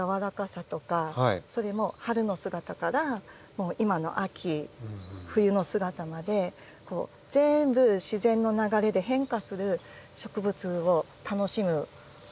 それも春の姿から今の秋冬の姿まで全部自然の流れで変化する植物を楽しむお庭だと思います。